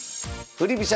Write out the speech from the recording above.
振り飛車